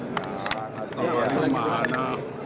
tak pahli kemana